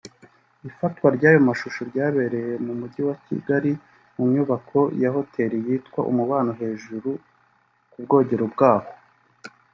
Ifatwa ryayo mashusho ryabereye mu mujyi wa Kigali mu nyubako ya Hotel yitwa Umubano hejuru ku bwogero bwaho